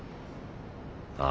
あ？